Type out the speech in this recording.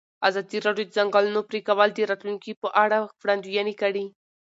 ازادي راډیو د د ځنګلونو پرېکول د راتلونکې په اړه وړاندوینې کړې.